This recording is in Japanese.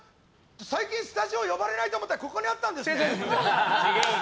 最近スタジオに呼ばれないと思ったらここにあったんですね！